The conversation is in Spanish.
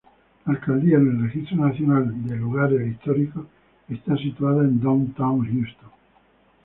La alcaldía, en el Registro Nacional de Lugares Históricos, está situado en Downtown Houston.